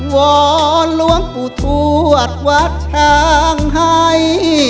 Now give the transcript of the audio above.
กราบหลวงปุโตทวัดวัดแทงให้